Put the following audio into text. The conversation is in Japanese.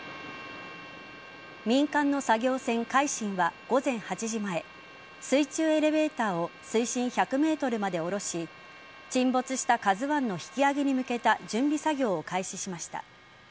民間の作業船「海進」は午前８時前水中エレベーターを水深１００ｍまで下ろし沈没した「ＫＡＺＵ１」の引き揚げに向けた準備作業を開始しました。